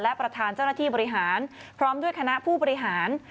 และประธานเจ้าหน้าที่บริหารพร้อมด้วยคณะผู้บริหาร